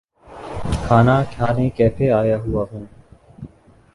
کھانا کھانے کیفے آیا ہوا ہوں۔